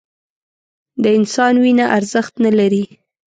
د انسان وینه ارزښت نه لري